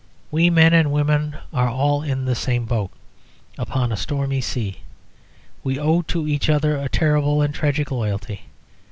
We men and women are all in the same boat, upon a stormy sea. We owe to each other a terrible and tragic loyalty.